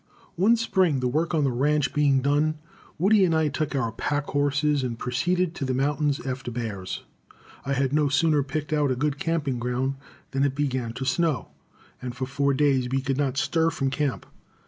One spring, the work on the ranch being done, Woody and I took our pack horses and proceeded to the mountains after bears. I had no sooner picked out a good camping ground than it began to snow, and for four days we could not stir from camp.